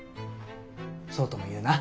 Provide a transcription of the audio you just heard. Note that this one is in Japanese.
そうとも言うな。